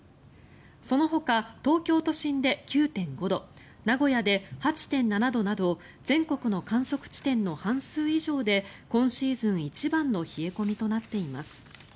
そのほか東京都心で９．５度名古屋で８．７度など全国の観測地点の半数以上で今シーズン一番の冷え込みとなっています。